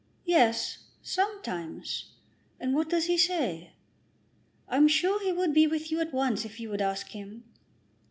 "Yes; sometimes." "And what does he say?" "I'm sure he would be with you at once if you would ask him."